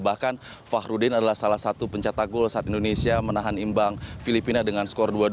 bahkan fahrudin adalah salah satu pencetak gol saat indonesia menahan imbang filipina dengan skor dua dua